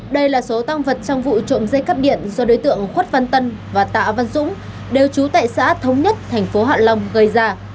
đây là số tăng vật trong vụ trộm dây cắp điện do đối tượng khuất văn tân và tạ văn dũng đều trú tại xã thống nhất thành phố hạ long gây ra